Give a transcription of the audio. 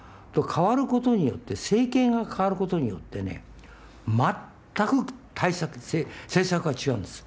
かわることによって政権がかわることによって全く対策政策が違うんです。